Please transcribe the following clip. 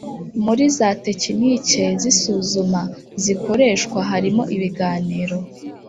Muri za tekinike z’isuzuma zikoreshwa harimo ibiganiro